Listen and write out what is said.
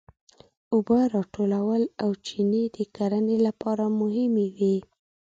اوبه راټولول او چینې د کرنې لپاره مهمې وې.